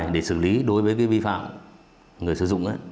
để xử lý đối với cái vi phạm người sử dụng